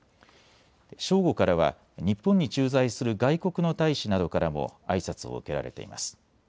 正午からは日本に駐在する外国の大使などからもあいさつを受けられています。